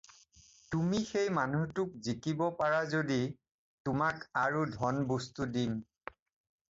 তুমি সেই মানুহটোক জিকিব পাৰা যদি তোমাক আৰু ধন-বস্তু দিম।